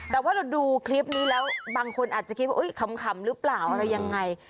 แต่ว่าเราดูคลิปนี้แล้วบางคนอาจจะคิดว่าขำหรือเปล่าอะไรยังไง